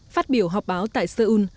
phát biểu họp báo tại seoul